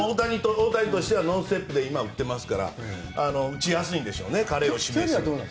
大谷としてはノンステップで打っていますから打ちやすいんでしょうね